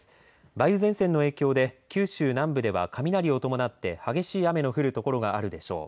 梅雨前線の影響で九州南部では雷を伴って激しい雨の降る所があるでしょう。